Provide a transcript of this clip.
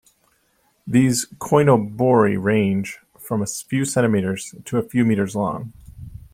These "koinobori" range from a few centimetres to a few metres long.